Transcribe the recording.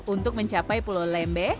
untuk mencapai pulau lembeh